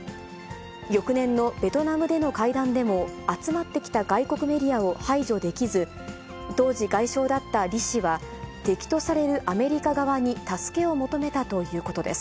翌年のベトナムでの会談でも、集まってきた外国メディアを排除できず、当時、外相だったリ氏は、敵とされるアメリカ側に助けを求めたということです。